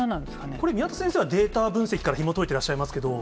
これ、宮田先生はデータ分析からひもといてらっしゃいますけど。